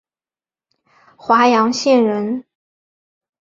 华阳县人。